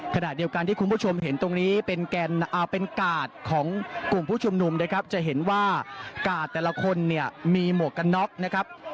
ขณะเดียวกันที่คุณผู้ชมเห็นตรงนี้เป็นกาดของกลุ่มผู้ชุมนุมนะครับจะเห็นว่ากาดแต่ละคนเนี่ยมีหมวกกันน็อกนะครับ